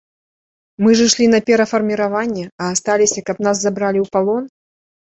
Мы ж ішлі на перафарміраванне, а асталіся, каб нас забралі ў палон?